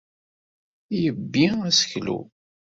Yebbi aseklu.